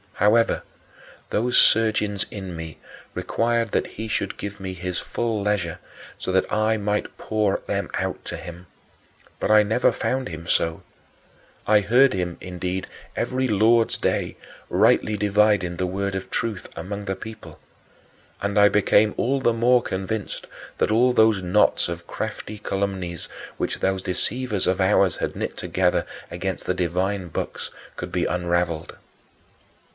However, those surgings in me required that he should give me his full leisure so that I might pour them out to him; but I never found him so. I heard him, indeed, every Lord's Day, "rightly dividing the word of truth" among the people. And I became all the more convinced that all those knots of crafty calumnies which those deceivers of ours had knit together against the divine books could be unraveled.